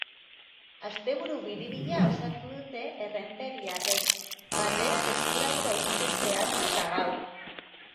Asteburu biribila osatu dute errenteriarrek, banderak eskuratu baitituzte atzo eta gaur.